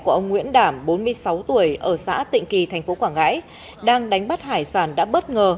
của ông nguyễn đảm bốn mươi sáu tuổi ở xã tịnh kỳ tp quảng ngãi đang đánh bắt hải sản đã bất ngờ